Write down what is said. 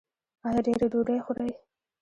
ایا ډیرې ډوډۍ خورئ؟